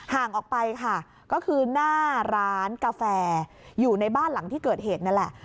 ห่างออกไปค่ะก็คือหน้าร้านกาแฟอยู่ในบ้านหลังที่เกิดเหตุนั่นแหละ